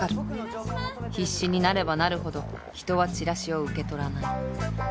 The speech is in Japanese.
必死になればなるほど人はチラシを受け取らない